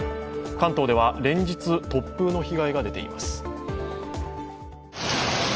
関東では連日、突風の被害が出ています。